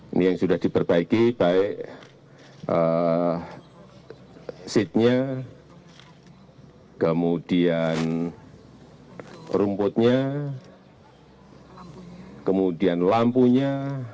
ini yang sudah diperbaiki baik seatnya kemudian rumputnya kemudian lampunya